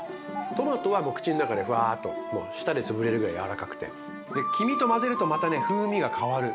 トマトは口の中でふわっと舌でつぶれるぐらい柔らかくて黄身と混ぜるとまたね風味が変わる。